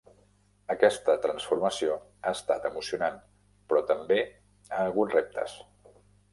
Aquesta transformació ha estat emocionant, però també ha hagut reptes.